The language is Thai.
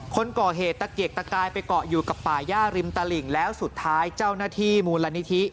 คนก่อเหตุตะเกียกตะกายไปเกาะอยู่กับป่าย่าริมตลิ่งแล้วสุดท้ายเจ้าหน้าที่มูลนิธิ